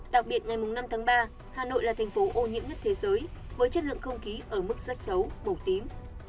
đặc biệt ngày năm tháng ba hà nội là thành phố ô nhiễm nhất thế giới với chất lượng không khí ở mức rất xấu màu tím